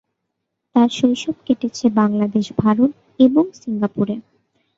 তার শৈশব কেটেছে বাংলাদেশ, ভারত এবং সিঙ্গাপুরে।